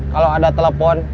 kalau ada telepon